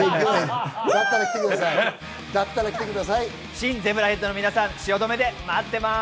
新ゼブラヘッドの皆さん、汐留で待ってます。